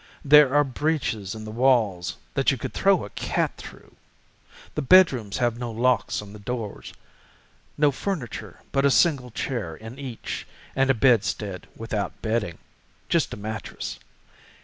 There are breaches in the walls that you could throw a cat through. The bedrooms have no locks on the doors, no furniture but a single chair in each, and a bedstead without bedding—just a mattress.